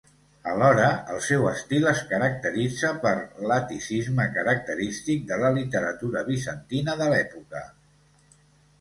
Alhora, el seu estil es caracteritza per l'aticisme característic de la literatura bizantina de l'època.